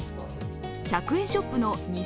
１００円ショップの２０２１